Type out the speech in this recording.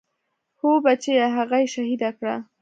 هو بچيه هغه يې شهيده کړه.